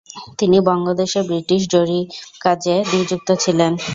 তিনি বঙ্গদেশের ব্রিটিশ জরীপকাজে নিযুক্ত ছিলেন।